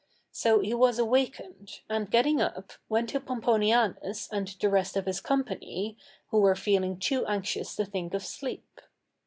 So he was awakened, and getting up, went to Pomponianus and the rest of his company, who were feeling too anxious to think of sleep.